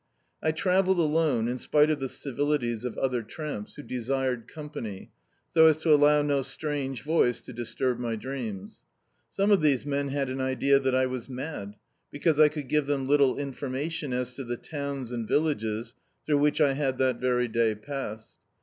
I travelled alone, in spite of the civilities of other tramps, who desired company, so as to allow no strange voice to disturb my dreams. Some of these men had an idea that I was mad, because I could give them little infoimation as to the towns and villages through which 1 had that very day passed.